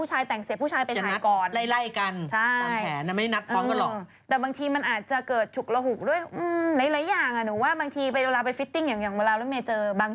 ชี้ว่าตนออกมาพูดเนี่ยขอโทษที่เขาอารมรรณ